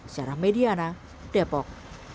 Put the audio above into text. secara mediana depok